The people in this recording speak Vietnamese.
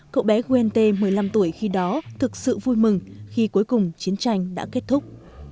cậu bé quen tê một mươi năm tuổi khi đó thực sự vui mừng khi cuối cùng chiến tranh đã kết thúc